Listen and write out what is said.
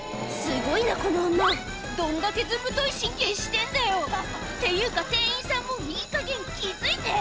すごいなこの女どんだけずぶとい神経してんだよっていうか店員さんもいいかげん気付いて！